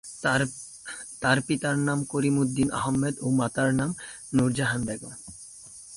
তার পিতার নাম করিম উদ্দিন আহমেদ ও মাতার নাম নূরজাহান বেগম।